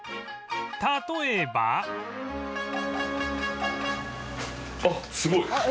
例えばあっすごい。